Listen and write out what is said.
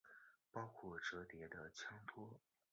包括折叠的枪托。